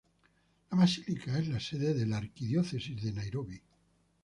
La basílica es la sede de la Arquidiócesis de Nairobi.